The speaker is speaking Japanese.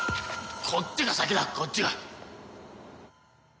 こっちが先だこっちが。